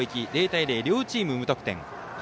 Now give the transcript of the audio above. ０対０、両チーム無得点。